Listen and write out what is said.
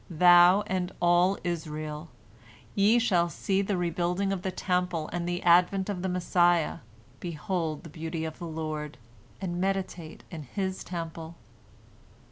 Thou and all Israel, ye shall see the rebuilding of the Temple and the advent of the Messiah, behold the beauty of the Lord, and meditate in His Temple."